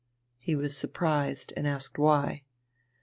He was surprised, and asked why.